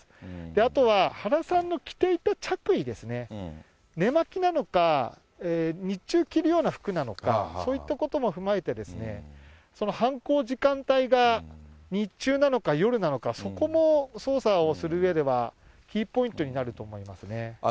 あとは、原さんの着ていた着衣ですね、寝まきなのか、日中着るような服なのか、そういったことも踏まえて、その犯行時間帯が日中なのか、夜なのか、そこも捜査をするうえでは、キーポイントになると思いますね。